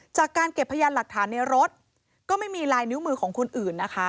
จากการเก็บพยานหลักฐานในรถก็ไม่มีลายนิ้วมือของคนอื่นนะคะ